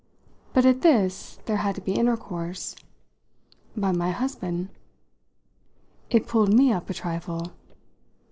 But at this there had to be intercourse. "By my husband." It pulled me up a trifle.